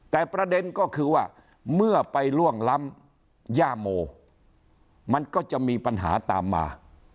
แต่ประเด็นก็คือว่าเมื่อไปล่วงล้ำย่าโมมันก็จะมีปัญหาตามมา